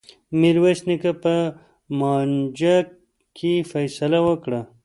میرويس نیکه په مانجه کي فيصله وکړه.